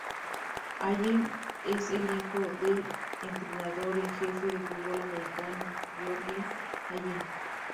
Allen es el hijo del entrenador en jefe de fútbol americano, George Allen.